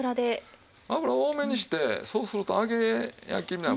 油多めにしてそうすると揚げ焼きになる。